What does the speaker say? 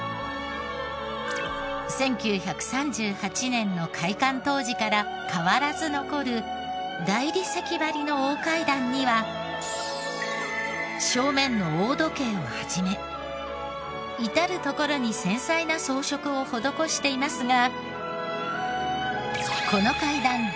１９３８年の開館当時から変わらず残る大理石張りの大階段には正面の大時計を始め至る所に繊細な装飾を施していますが。